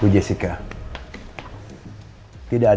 oke jangan setiskan